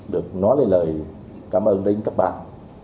được nói lời cảm ơn đến các bạn